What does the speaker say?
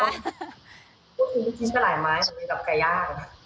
พวกนี้กินไปหลายไม้มีกับไก่ย่าง